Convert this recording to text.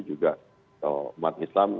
juga umat islam